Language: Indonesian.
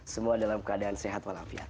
semua dalam keadaan sehat walafiat